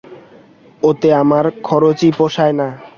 ওতে আমার খরচই পোষায় না।